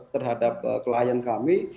terhadap klien kami